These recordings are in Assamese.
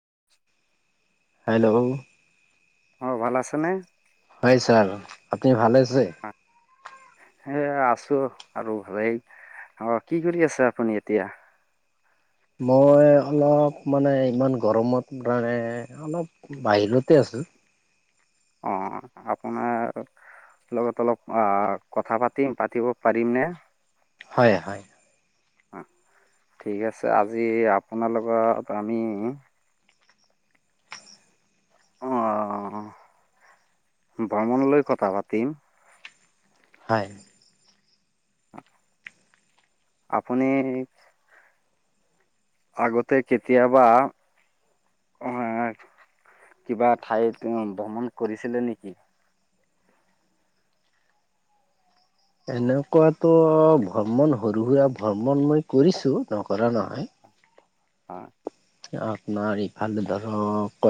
[inaudible] হেল্ল' অ', ভাল আছেনে? হয়, ছাৰ, আপনি ভালে আছে? এ আছোঁ আৰু ভালেই, অ, কি কৰি আছা আপুনি এতিয়া? মই অলপ মানে ইমান গৰমত মানে, অলপ বাহিৰতে আ ছোঁ। অ', আপোনাৰ লগত অলপ আহ কথা পাতিম, পাতিব পাৰিম নে? হয়, হয়, ঠিক আছে আজি আপোনাৰ লগত আমি আহ ভ্ৰমণলৈ কথা পাতিম হয়। আপুনি আগতে কেতিয়াবা আহ কিবা ঠাইত ভ্ৰমণ কৰিছিলে নেকি এনেকুৱাতো ভ্ৰমণ সৰু সুৰা ভ্ৰমণ মই কৰিছোঁ নকৰা নহয় হয় আপোনাৰ ইফালে ধৰক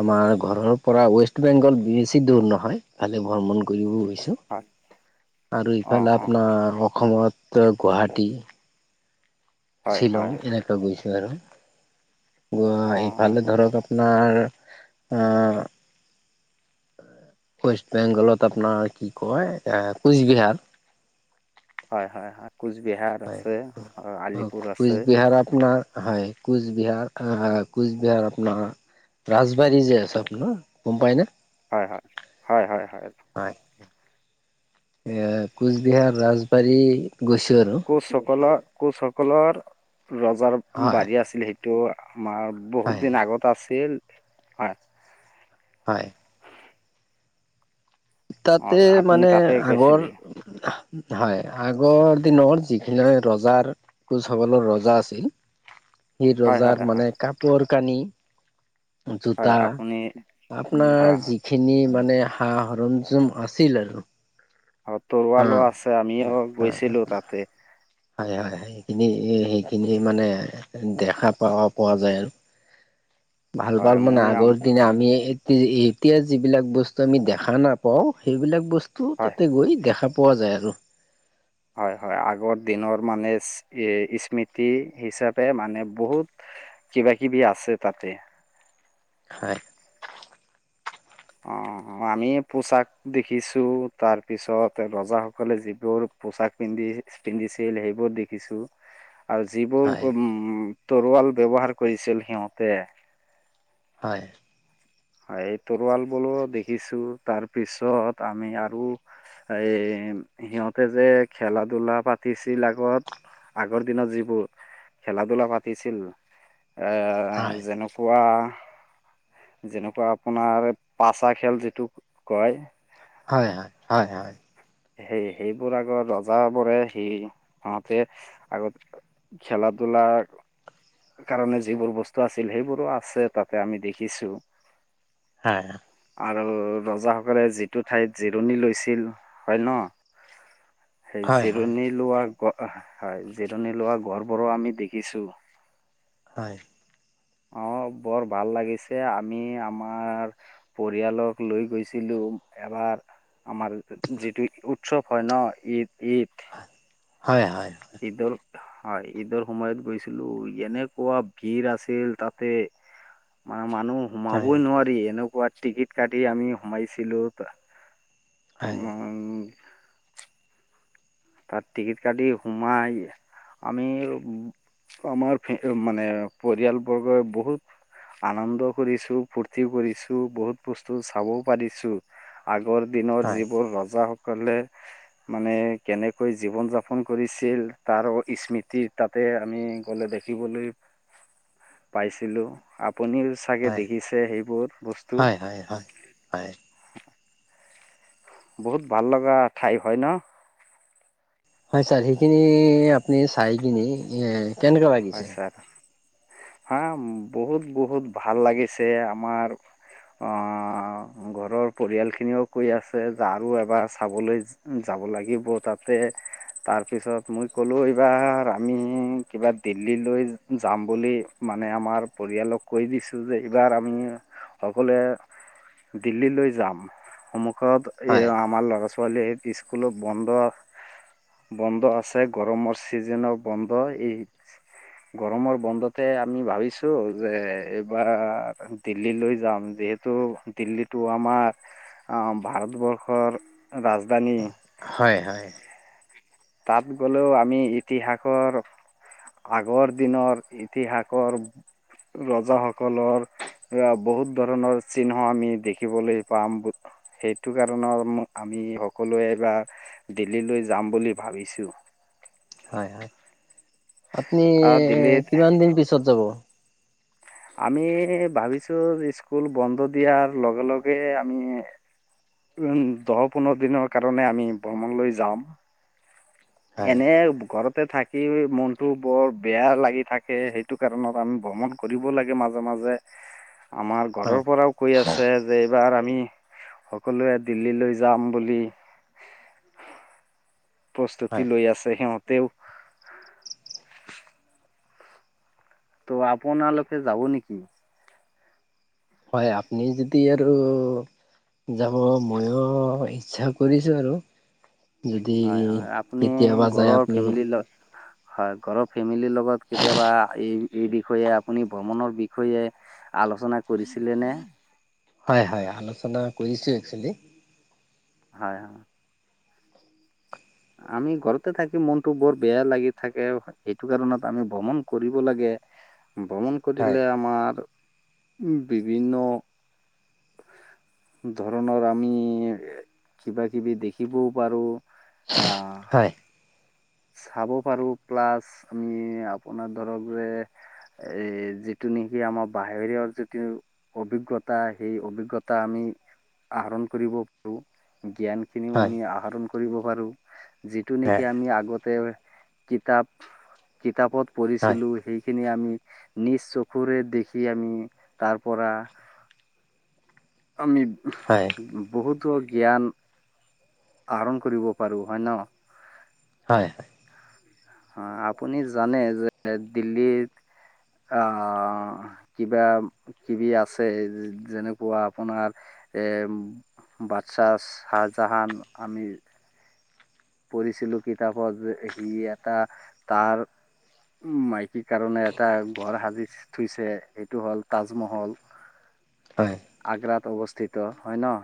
আমাৰ ঘৰৰ পৰা ৱেষ্ট বেংগল বেছি দূৰ নহয় ভালে ভ্ৰমণ কৰিবও হয় আৰু অ ইফালে অ আপোনাৰ অসমত গুৱাহাটী হয় শ্বিলং হয় এনেকুৱা গৈছো আৰু গ অ অ ইফালে ধৰক আপোনাৰ আহ ৱেষ্ট বেংগলত আপোনাৰ কি কয় এ কোচবিহাৰ হয়, হয়, হয় কোচবিহাৰ হয় আছে আলিপুৰ আছে কোচবিহাৰ আপোনাৰ হয় কোচবিহাৰ, কোচবিহাৰ আপোনাৰ ৰাজবাৰী যে আছে আপোনাৰ গম পায়নে হয়, হয়, হয়, হয়, হয় এ কোচবিহাৰ ৰাজবাৰী গৈছো আৰু কোচসকলৰ কোচসকলৰ ৰজাৰ হয় বাৰী আছিল সেইটো আমাৰ বহুত হয়। দিন আগত আছিল হয় হয় অ তাতে আপুনি মানে তাতে আগৰ গৈছিলে হয়, আগৰ দিনৰত যিখিনি ৰজাৰ কোচসকলৰ ৰজা আছিল [unintelligible] সি ৰজাৰ হয় হয় মানে কাপোৰ কানি হয় জোতা আপুনি আপোনাৰ হয় যিখিনি মানে সা সৰ আছিল আৰু আৰু তৰুৱালো আছে আমিও গৈছিলো তাতে খিন সেইখিনি মানে দেখা প পোৱা যায় আৰু ভাল হয় পাল মানে মই আগৰ আম- দিনা আমি এতিয়া যিবিলাক বস্তু আমি দেখা নাপ পাওঁ সেইবিলাক বস্তু হয় তাতে গৈ দেখা পোৱা যায় আৰু হয়, হয় আগৰ দিনৰ মানে স্মৃতি হিচাপে মানে বহুত কিবা কিবি আছে তাতে হয়। অ', আমি পোচাক দেখিছো তাৰ পিছত ৰজাসকলে যিবোৰ পোছাক পিন্ধি পিন্ধিছিল সেইবোৰ দেখিছোঁ আৰু যিবোৰ হয় উম তৰোৱাল ব্যৱহাৰ কৰিছিল সিহঁতে হয় এই তৰোৱাল বোলো দেখিছো তাৰপিছত আমি আৰু এ সিহঁতে যে খেলা ধূলা পাতিছিল আগত আগৰ দিনত যিবোৰ খেলা ধূলা পাতিছিল হয় যেনেকুৱা যেনেকুৱা আপোনাৰ পাচা খেল যিটো কয় হয়, হয়, হয়, হয় সেই সেইবোৰ আগত ৰজ বোৰে সি সহতে আগত খেলা দু লাখ কাৰণে যিবোৰ বস্তু আছিল সেইবোৰো আছে তাতে আমি দেখিছো হ আৰু ৰজাসকলে যিটো ঠাইত জিৰণি লৈছিল হয় ন সেই হয় হয় জিৰণি লোৱা হয়, জিৰণি লোৱা গড়বোৰো আমি দেখিছোঁ। হয়। অহ' বৰ ভাল লাগিছে, আমি আমাৰ পৰিয়ালক লৈ গৈছিলোঁ। এবাৰ আমাৰ যিটো উৎসৱ হয় ন ঈদ। ঈদ, হয় হয় হয় ঈদৰ। হয় ঈদৰ সময়ত গৈছিলোঁ, এনেকুৱা ভিৰ আছিল তাতে। মা। মানুহ হয় হয় হয় হয় সোমাবই নোৱাৰি, এনেকুৱা টিকিট কাটি আমি সোমাইছিলো। হয়। তাত টিকিট কাটি সোমাই আমি আমাৰ, ফে মানে পৰিয়ালবৰ্গই বহুত আনন্দ কৰিছোঁ ফূৰ্তিও কৰিছোঁ বহুত বস্তু চাবও পাৰিছোঁ, আৰু আগৰ দিনৰ যিবোৰ ৰজাসকলে মানে কেনেকৈ জীৱন যাপন কৰিছিল, তাৰো স্মৃতি তাতে আমি গ'লে দেখিবলৈ পাইছিলোঁ। আ আপুনিয়ো চাগে দেখিছে সেইবোৰ বস্তু। হয় হয় হয় বহুত ভাল লগা ঠাই হয় ন। হয় ছাৰ সেইখিনি আপুনি চাই কিনে এ কেনেকা হয় লাগিছে। ছাৰ হা বহুত বহুত ভাল লাগিছে আমাৰ অহ' ঘৰৰ পৰিয়াল খিনিও কৈ আছে যে আৰু এবাৰ চাবলৈ যাব। লাগিব তাতে, তাৰপিছত মই ক'লো এইবাৰ আমি কিবা দিল্লী লৈ যাম বুলি মানে আমাৰ পৰিয়ালক কৈ দিছো যে এইবাৰ আমি সকলোৱে দিল্লী লৈ যাম। সন্মুখত এ হয় আমাৰ ল'ৰা-ছোৱালী কলেজ স্কুলো বন্ধ। বন্ধ আছে গৰমৰ চিজেনো বন্ধ এই গৰমৰ বন্ধতে আমি ভাবিছো, যে এইবাৰ দিল্লী লৈ যাম যিহেতু টো দিল্লীটো আমাৰ ভাৰতবৰ্ষৰ ৰাজধানী। হয় হয়। তাত গ'লেও আমি ইতিহাসৰ আগৰ দিনৰ ইতিহাসৰ ৰজাসকলৰ বহুত ধৰণৰ চিহ্ন আমি দেখিবলৈ পাম, সেইটো কাৰণত আমি আমি সকলোৱে এইবাৰ দিল্লীলৈ যাম বুলি ভাবিছোঁ। হয়, হয়। আপনি দিল্লীত কিমান দিন পিছত যাব। আমি ভাবিছো স্কুল বন্ধ দিয়াৰ লগে লগে আমি উম' দহ পোন্ধৰ দিনৰ কাৰণে আমি ভ্ৰমণলৈ যাম। হয়, এনে ঘৰত তে থাকি মনতটো বৰ বেয়া লাগি থাকে সেইটো কাৰণত আমি ভ্ৰমণ কৰিব লাগে মাজে মাজে। আমাৰ হয়, ঘৰৰ পৰাও কৈ আছে যে এইবাৰ আমি সকলোৱে দিল্লী লৈ যাম বুলি। প্ৰস্তুতি হয়। লৈ আছে সিহঁতেও ত' আপোনালোকে যাব নেকি? হয় আপনি যদি আৰু যাব ময়ো ইচ্ছা কৰিছো আৰু। যদি হয় হয় আপুনি কেতিয়াবা যায় ঘৰৰ আপুনি ফেমিলি হয় ঘৰৰ ফেমিলিৰ লগত কেতিয়াবা এই, এই বিষয়ে আপুনি ভ্ৰমণৰ বিষয়ে আলোচনা কৰিছিলেনে। হয়, হয়। আলোচনা কৰিছোঁ একচুৱেলি। হয়, হয়। আমি ঘৰতে থাকি মনটো বৰ বেয়া লাগি থাকে সেইটো কাৰণত আমি ভ্ৰমণ কৰিব লাগে। ভ্ৰমণ হয়, কৰিলে আমাৰ বিভিন্ন ধৰণৰ আমি কিবা কিবি দেখিবও পাৰো অ'। হয়, চাব পাৰো প্লাছ আমি আপোনাৰ ধৰক যে এ যিটো নেকি আমাৰ বাহিৰৰ যিটো অভিজ্ঞতা সেই অভিজ্ঞতা আমি আহৰণ কৰিব পাৰোঁ। জ্ঞান খিনিও হয়, আমি আহৰণ কৰিব পাৰো যিটো নেকি হয়, আমি আগত কিতাপ কিতাপত হয়, পঢ়িছিলো সেই খিনি আমি নিজ চকুৰে দেখি আমি তাৰ পৰা আমি হয়, হয়, বহুতো জ্ঞান আহৰণ কৰিব পাৰো হয় ন'। হয়। অ', আপুনি জানে যে, দিল্লীত আহ কিবা কিবি আছে যেনেকুৱা আপোনাৰ এ বাদছাহ সাহজাহান, আমি পঢ়িছিলোঁ কিতাপত যে সি এটা তাৰ মাইকী কাৰণে এটা ঘৰ সাজি থইছে এইটো হ'ল তাজমহল। হয়, হয়, আগ্ৰাত অৱস্থিত হয় ন'।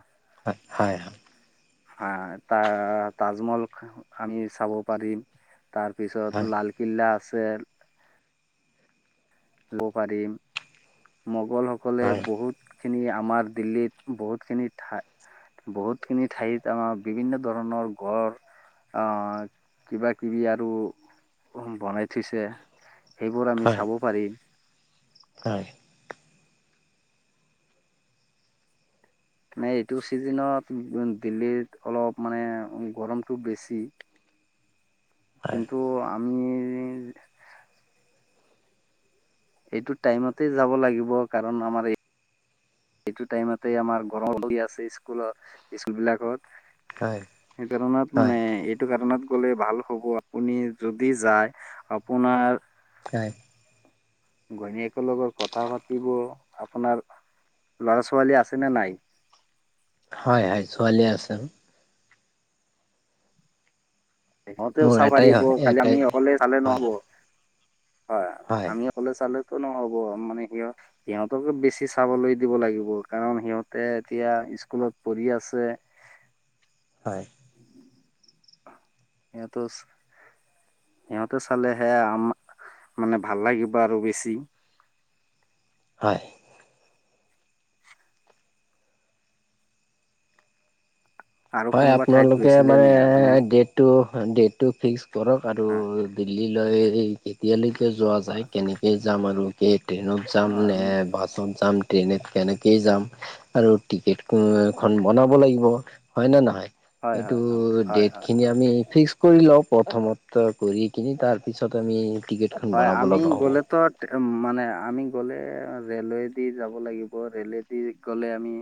হয় হয়। হ ত তাজমহল আমি চাব পাৰিম। তাৰপিছত লালকিল্লা আছে। লব পাৰিম মোগল সকলে হয়, বহুত খিনি আমাৰ দিল্লীত বহুত খিনি ঠাই বহুতখিনি ঠাইত আমাৰ বিভিন্ন ধৰণৰ গড় আহ কিবা কিবি আৰু বনাই থৈছে। সেইবোৰ আমি চাব পাৰিম। হয়। মে এইটো চিজনত উ দিল্লীত অলপ মানে গৰমটো বেছি কিন্তু আমি এইটো টাইমতে যাব লাগিব কাৰণ আমাৰ এইটো টাইমতে আমাৰ গৰম হৈ আছে স্কুলত স্কুল বিলাকত। সেইকাৰণত হয়, মানে এইটো কাৰণত গ'লে ভাল হ'ব আপুনি যদি যায় আপোনাৰ [unintelligible] ঘৈণীয়েকৰ লগত কথা পাতিব আপোনাৰ ল'ৰা ছোৱালী আছে নে নাই? হয় হয় ছোৱালী আছে আৰু। সিহঁতে উৎ মোৰ চাব এটাই পাৰিব হয় খালি এটাই আমি অকলে চালে হয়, নহ'ব। হয় আমি অকলে চালে টো নহ'ব মানে সিহঁত সিহঁতকো বেছি চাবলৈ দিব লাগিব কাৰণ সিহঁতে এতিয়া স্কুলত পঢ়ি আছে। হয়। ইয়াতো সিহঁতে চালেহে আম মানে ভাল লাগিব আৰু বেছি। হয়। আৰু হয় কোনোবা ঠাইত আপোনালোকে গৈছিলে মানে নি আপুনি? ডেতটো ডেতটো ফিক্স কৰক আৰু। হয় লয় কেতিয়ালৈকে যোৱা যায় হয় কেনেকে যাম আৰু কে ট্ৰেইনত যাম হয় নে বাছত যাম ট্ৰেইনত কেনেকেই যাম আৰু টিকেটটো হয় এখন বনাব লাগিব হয় নে নহয়? হয় এইটো হয় হয় হয় ডেট হয় খিনি হয় আমি ফিক্স কৰি লওঁ প্ৰথমত কৰি কিনি তাৰপিছত আমি টিকেটখন হয় বনাব আমি লগা হ'ব গ'লে টো মানে আমি গ'লে ৰেলৱেদি যাব লাগিব, ৰে'লৱেদি গ'লে আমি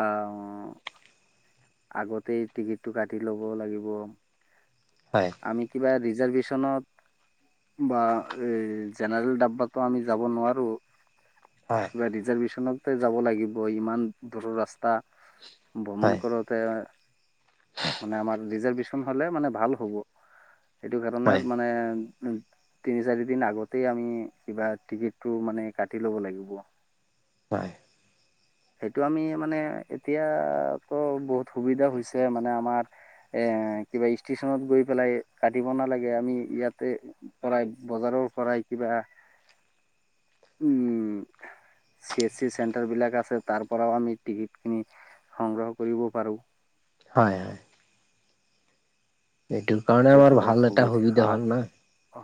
আ-অ', অ'। আগতেই টিকেটটো কাটি ল'ব লাগিব। হয় আমি কিবা ৰিজাৰ্ভেশ্যনত বা এই জেনেৰেল ডাবাটো আমি যাব নোৱাৰো। হয় কিবা ৰিজাৰ্ভেশ্যনতে যাব লাগিব ইমান দূৰৰ ৰাস্তা। ভ্ৰমণ হয় কৰোতে মানে আমাৰ ৰিজাৰ্ভেচন হ'লে মানে ভাল হ'ব। সেইটো কাৰণে হয় মানে তিনি চাৰি দিন আগতে আমি কিবা টিকেটটো মানে কাটি ল'ব লাগিব। হয়। সেইটো আমি মানে এতিয়াতো বহুত সুবিধা হৈছে মানে আমাৰ এ কিবা ষ্টেচনত গৈ পেলাই কাটিব নালাগে, আমি ইয়াতে পৰাই বজাৰৰ পৰাই কিবা উম্। চি-এছ-চি চেণ্টাৰ বিলাক আছে তাৰ পৰাওঁ আমি টিকেট কিনি সংগ্ৰহ কৰিব পাৰো। হয়, হয়। এইটোৰ কাৰণে এতিয়াতো আমাৰ ভাল এটা সুবিধা হয় হ'ল ন।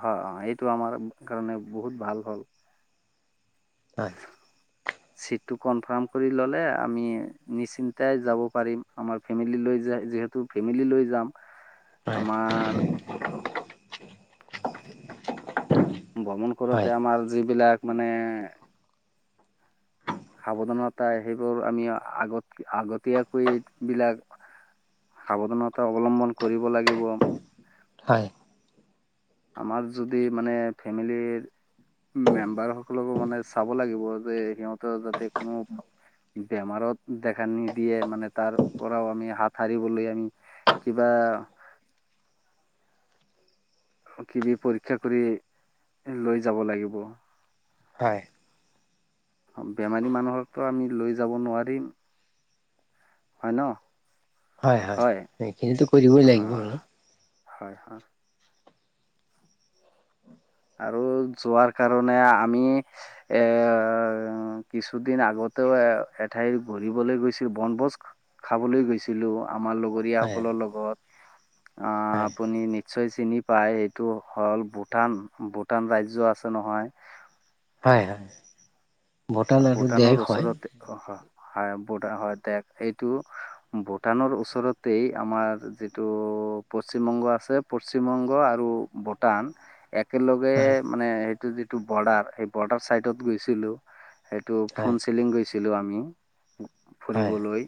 হয় অ' এইটো আমাৰ কাৰণে বহুত ভাল হ'ল। হয়। [inaudible] চিটটো কনফাৰ্ম কৰি ল'লে আমি নিশ্চিন্তাই যাব পাৰিম, আমাৰ ফেমিলি লৈ যায় যিহেতু ফেমিলি লৈ যাম। হয় আমাৰ ভ্ৰমণ কৰোতে হয় আমাৰ যিবিলাক মানে সাৱধানতা সেইবোৰ আমি আগত আগতীয়াকৈ এই বিলাক সাৱধানতা অৱলম্বন কৰিব লাগিব। হয়। আমাৰ যদি মানে ফেমিলিৰ মেম্বাৰ সকলকো মানে চাব লাগিব, যে সিহঁতৰ যাতে কোনো বেমাৰত দেখা নিদিয়ে মানে তাৰ পৰাওঁ আমি হাত সাৰিবলৈ আমি কিবা কিবি পৰীক্ষা কৰি লৈ যাব লাগিব। হয়। বেমাৰী মানুহকটো আমি লৈ যাব নোৱাৰিম। হয় ন। হয়, হয় সেইখিনিতো কৰিবই হা লাগিব আৰু। হয় হয় আৰু যোৱাৰ কাৰণে আমি এৰ কিছুদিন আগত টো এ এঠাইৰ ঘূৰিবলৈ গৈছো, বনভোজ খাবলৈ গৈছিলোঁ। আমাৰ হয় লগৰীয়াসকলৰ লগত। অ' হয় আপুনি নিশ্চয় চিনি পায় সেইটো হ'ল ভূটান। ভূটান ৰাজ্য আছে নহয় হয়, হয়। বটান আৰু দেশ ভূটানৰ হয় ওচৰতে অ' হয়। হয় ভূটান হয় দে, সেইটো ভূটানৰ ওচৰতেই আমাৰ যিটো পশ্চিমবংগ আছে, পশ্চিমবংগ আৰু ভূটান একেলগে হয় মানে সেইটো যিটো বৰ্ডাৰ, সেই বৰ্ডাৰ চাইডত গৈছিলোঁ। সেইটো ফোন হয় চেলিং গৈছিলোঁ আমি হয় ফুৰিবলৈ।